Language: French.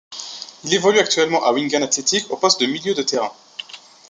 Il évolue actuellement à Wigan Athletic au poste de milieu de terrain.